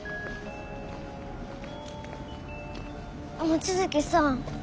望月さん。